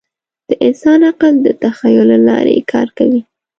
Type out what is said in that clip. د انسان عقل د تخیل له لارې کار کوي.